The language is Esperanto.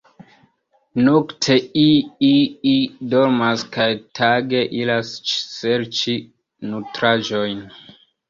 Nokte iii dormas kaj tage iras serĉi nutraĵojn.